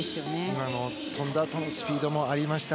今も跳んだあとのスピードもありました。